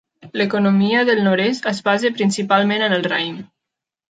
L'economia del nord-est es basa principalment en el raïm.